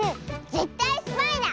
ぜったいスパイだ！